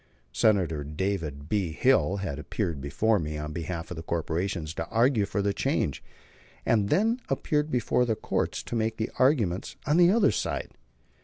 Senator David B. Hill had appeared before me on behalf of the corporations to argue for the change; and he then appeared before the courts to make the argument on the other side.